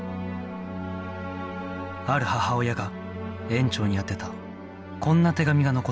ある母親が園長に宛てたこんな手紙が残っています